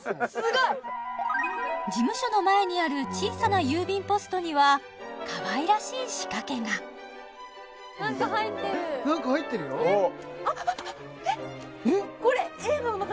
すごい！事務所の前にある小さな郵便ポストにはかわいらしい仕掛けが何か入ってるよあっえっ？